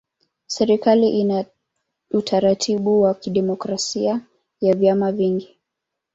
Serikali ina utaratibu wa kidemokrasia ya vyama vingi.